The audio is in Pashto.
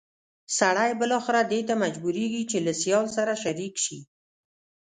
سړی بالاخره دې ته مجبورېږي چې له سیال سره شریک شي.